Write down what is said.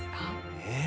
え？